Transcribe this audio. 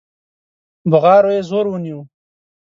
بغارو يې زور ونيو.